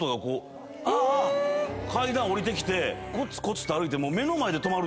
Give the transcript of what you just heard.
階段下りてきてコツコツと歩いて。